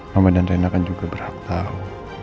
mama dan reina kan juga berhak tau